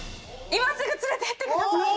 今すぐ連れていってください！